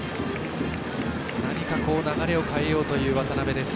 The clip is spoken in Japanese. なにか、流れを変えようという渡辺です。